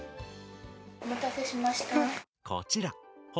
お待たせしました。